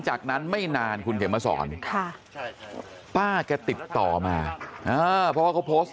จากนั้นไม่นานคุณเขียนมาสอนป้าแกติดต่อมาเพราะว่าเขาโพสต์